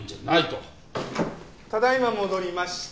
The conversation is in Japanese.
ただ今戻りました。